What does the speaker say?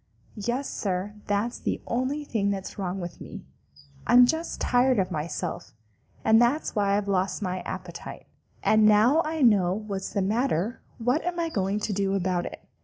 "Yes, Sir, that's the only thing that's wrong with me. I'm just tired of myself, and that's why I've lost my appetite. And now I know what's the matter, what am I going to do about it?